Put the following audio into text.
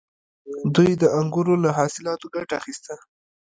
دوی د انګورو له حاصلاتو ګټه اخیسته